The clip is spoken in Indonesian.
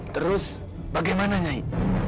terus bagaimana nyai